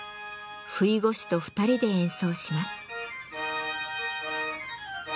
ふいご手と２人で演奏します。